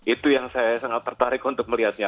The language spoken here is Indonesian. itu yang saya sangat tertarik untuk melihatnya